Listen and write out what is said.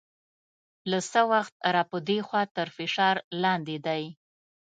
له څه وخته را په دې خوا تر فشار لاندې دی.